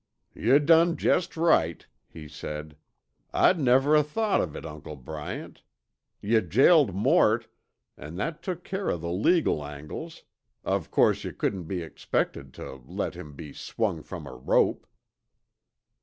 "Yuh done jest right," he said. "I'd never o' thought of it, Uncle Bryant. Yuh jailed Mort, an' that took care of the legal angles; of course yuh couldn't be expected tuh let him be swung from a rope."